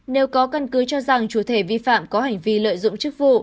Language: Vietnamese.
nếu có căn cứ cho rằng chủ thể vi phạm có hành vi lợi dụng chức vụ